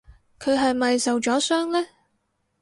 佢係咪受咗傷呢？